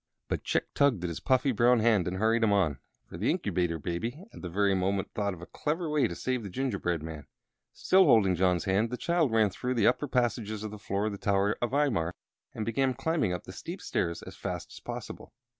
But Chick tugged at his puffy brown hand and hurried him on, for the Incubator Baby at that very moment thought of a clever way to save the gingerbread man. Still holding John's hand, the child ran through the upper passages to the foot of the tower of Imar, and began climbing up the steep stairs as fast as possible.